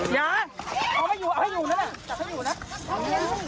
มันต้องตาย